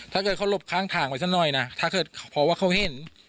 ถ้าเกิดเขาหลบข้างทางไปสักหน่อยนะถ้าเกิดเพราะว่าเขาเห็น